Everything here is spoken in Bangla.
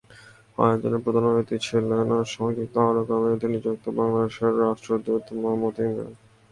আয়োজনে প্রধান অতিথি ছিলেন সংযুক্ত আরব আমিরাতে নিযুক্ত বাংলাদেশের রাষ্ট্রদূত মোহাম্মদ ইমরান।